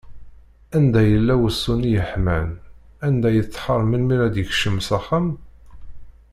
Anda yella wusu-nni yeḥman, anda yettḥar melmi ara d-yekcem s axxam?